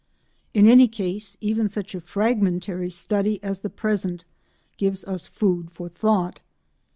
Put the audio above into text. In any case even such a fragmentary study as the present gives us food for thought.